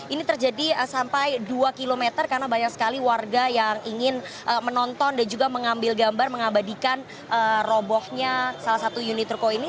ini terjadi sampai dua km karena banyak sekali warga yang ingin menonton dan juga mengambil gambar mengabadikan robohnya salah satu unit ruko ini